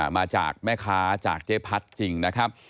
มาจากแม่ค้าจากเจ๊พัดจริงนะครับ